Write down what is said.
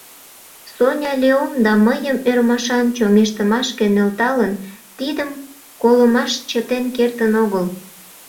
Соня Леом да мыйым ӧрмашан чоҥештымашке нӧлталын, тидым колымаш чытен кертын огыл.